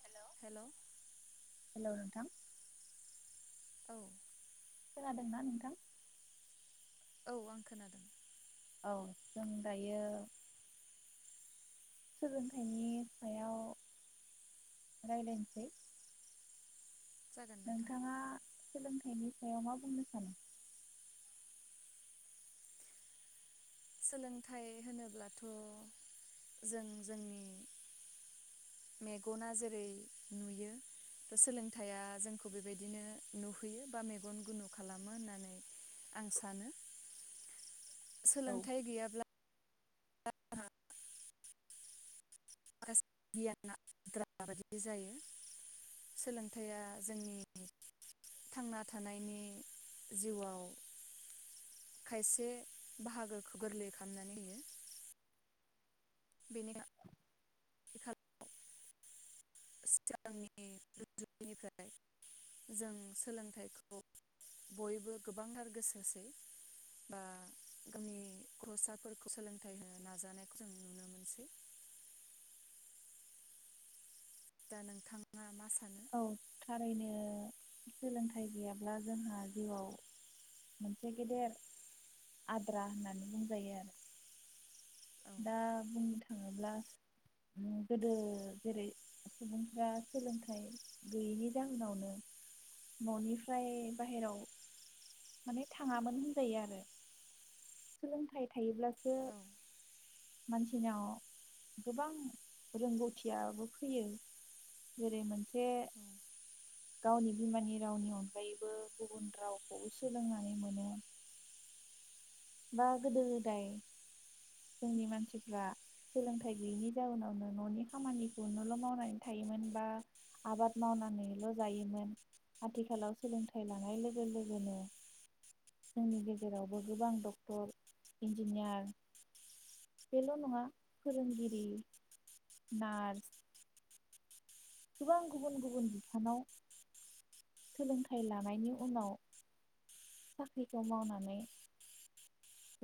हेल हेल हेल नोंथां औ। खोनादोंना नोंथां? औ आं खोनादों। औ जों दायो सोलोंथाइनि सायाव रायलायनोसै। जागोन नोंथां नोंथाङा सोलोंथाइनि सायाव मा बुंनो सानो? सोलोंथाइ होनोब्लाथ' जों जोंनि मेगना जेरै नुयो सोलोंथाइया जोंखौ बेबायदिनो नुहोयो बा मेगन गुनु खालामो होननानै आं सानो। औ सोलोंथाइ गैयाब्ला माखासे गियान आद्रा बादि जायो सोलोंथाइआ जोंनि थांना थानायनि जिउआव खायसे बाहागोखौ गोरलै खालामनानै होयो। बिनि सिगांनिफ्राय जों सोलोंथाइखौ बयबो गोबांथार गोसो होसै बा गावनि गथ'साफोरखौ सोलोंथाइ होनो नाजानायखौ जों नुनो मोनसै। दा नोंथाङा मा सानो? औ थारैनो सोलोंथाइ गैयाब्ला जोंहा जिउआव मोनसे गेदेर आद्रा होननानै बुंजायो आरो। औ दा बुं थाङोब्ला गोदो जेरै सुबुंफ्रा सोलोंथाइ गैयैनि जाहोनावनो न'निफ्राय बाहेराव माने थाङामोन होनजायो आरो सोलोंथाइ थायोब्लासो औ मानसिनाव गोबां रोंगौथियाबो फैयो जेरै मोनसे औ गावनि बिमानि रावनि अनगायैबो गुबुन रावखौ सोलोंनानै मोनो। बा गोदो गोदाय जोंनि मानसिफ्रा सोलोंथाइ गैयैनि जाउनावनो न'नि खामानिखौनोल' मावनानै थायोमोन बा आबाद मावनानैल' जायोमोन आथिखालाव सोलोंथाइ लानाय लोगो लोगोनो जोंनि गेजेरावबो गोबां दख डक्टर इन्जिनियार बेल नङा फोरोंगिरि नार्स गोबां गुबुन गुबुन बिफानाव सोलोंथाइ लानायनि उनाव साख्रिखौ मावनानै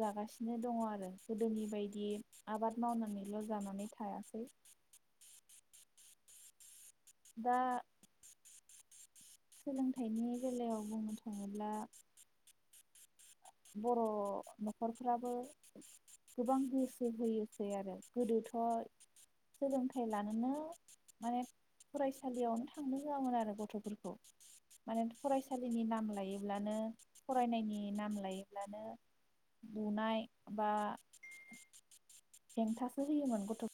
जागासिनो दङ आरो गोदोनि बायदि आबाद मावनानैल जानानै थायासै। दा सोलोंथाइनि बेलायाव बुंनो थाङोब्ला बर' नख'रफ्राबो गोबां गोसो होयोसै आरो गोदोथ' सोलोंथाइ लानोनो माने फरायसालियावनो थांनो होआमोन आरो गथ'फोरखौ माने फरायसालिनि नाम लायोब्लानो फरायनायनि नाम लायो ब्लानो बुनाय बा हेंथासो होयोमोन गथ'